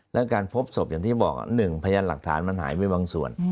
และการพบศพอย่างที่บอก๑พยานหลักฐานมันหายไปบางส่วน